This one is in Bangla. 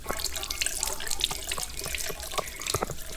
চন্দ্রমাধববাবু স্তম্ভিত হইয়া হারানো বোতামটার কথা একেবারে ভুলিয়া গেলেন।